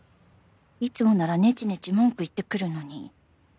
いつもならネチネチ文句言ってくるのに